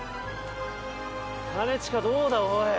兼近どうだ？おい。